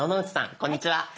こんにちは。